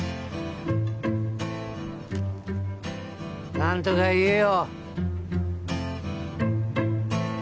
なんとか言えよ。